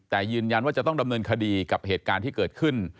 แต่ยืนยันว่าจะต้องดำเนินคดีกับเหตุการณ์ที่เกิดขึ้น